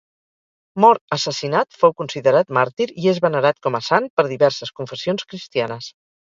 Mort assassinat fou considerat màrtir i és venerat com a sant per diverses confessions cristianes.